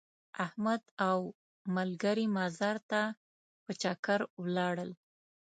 احمد او ملګري مزار ته په چکر ولاړل.